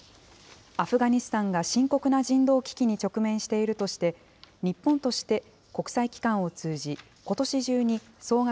アフガニスタンが深刻な人道危機に直面しているとして、日本として国際機関を通じ、ことし中に総額